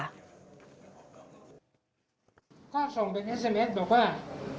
อ๋อพอกดเข้าไปเสร็จเขาจะโทรกลับมาเลย